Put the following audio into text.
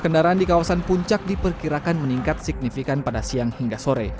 kendaraan di kawasan puncak diperkirakan meningkat signifikan pada siang hingga sore